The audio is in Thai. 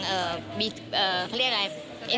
เขาเรียกอะไร